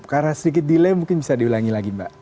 karena sedikit delay mungkin bisa diulangi lagi mbak